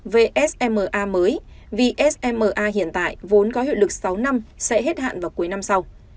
về sma mới vì sma hiện tại vốn có hiệu lực sáu năm sẽ hết hạn vào cuối năm sau